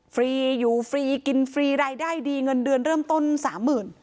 ฟรีอยู่ฟรีกินฟรีรายได้ดีเงินเดือนเริ่มต้นสามหมื่น